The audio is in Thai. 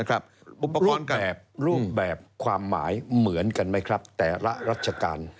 อุปกรณ์แบบรูปแบบความหมายเหมือนกันไหมครับแต่ละรัชการ